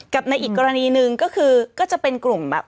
กับในอีกกรณีหนึ่งก็คือก็จะเป็นกลุ่มแบบ